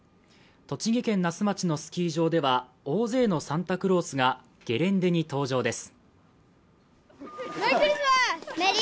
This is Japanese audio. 栃木県那須町のスキー場では、大勢のサンタクロースがゲレンデに登場です。